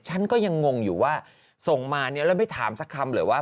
ฉันก็ยังงงอยู่ว่าส่งมาเนี่ยแล้วไม่ถามสักคำเหรอว่า